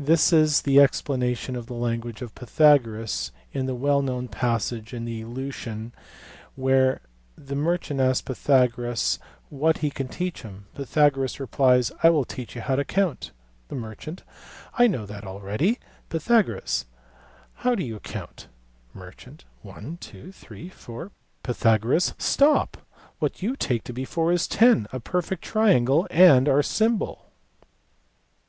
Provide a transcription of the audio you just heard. This is the explanation of the language of Pythagoras in the well known passage in Lucian where the merchant asks Pythagoras what he can teach him. Pythagoras replies, "I will teach you how to count." Merchant, "I know that already." Pythagoras, " How do you count ]" Merchant, "One, two, three, four " Pythagoras, "Stop! what you take to be four is ten, a perfect triangle, and our symbol."